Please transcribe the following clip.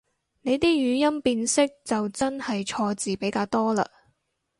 你啲語音辨識就真係錯字比較多嘞